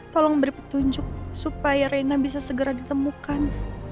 tolong beri petunjuk supaya reina bisa segera ditemukan